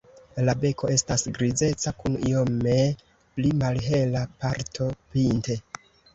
La beko estas grizeca kun iome pli malhela parto pinte.